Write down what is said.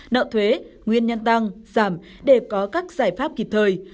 nợ thuế nguyên nhân tăng giảm để có các giải pháp kịp thời